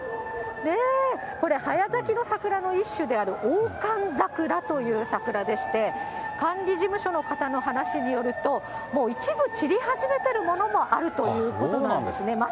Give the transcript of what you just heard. これ、早咲きの桜の一種である大寒桜という桜でして、管理事務所の方の話によると、もう一部散り始めてるものもあるということなんですね。